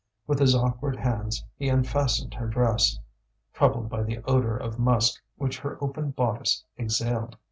With his awkward hands he unfastened her dress, troubled by the odour of musk which her open bodice exhaled.